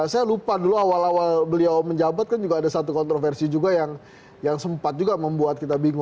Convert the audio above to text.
saya lupa dulu awal awal beliau menjabat kan juga ada satu kontroversi juga yang sempat juga membuat kita bingung